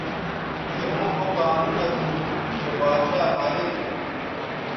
توؤں او قانون اسو چہء باچھا مرید